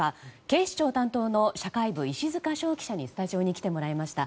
警視庁担当の社会部石塚翔記者にスタジオに来てもらいました。